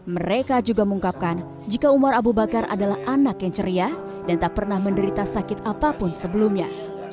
mereka juga mengungkapkan jika umar abu bakar adalah anak yang ceria dan tak pernah menderita sakit apapun sebelumnya